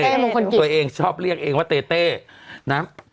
มงคลกิจตัวเองชอบเรียกเองว่าเตเต้นะ